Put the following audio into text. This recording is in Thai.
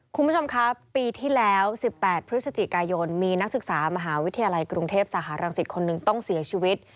คุณผู้ชมครับปีที่แล้ว๑๘พฤศจิกายนมีนักศึกษามหาวิทยาลัยกรุงเทพสหรังสิตคนหนึ่งต้องเสียชีวิต